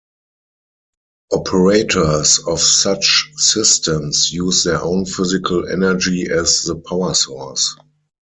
Operators of such systems use their own physical energy as the power source.